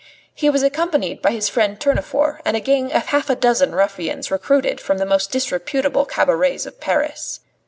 He was accompanied by his friend Tournefort and a gang of half a dozen ruffians recruited from the most disreputable cabarets of Paris.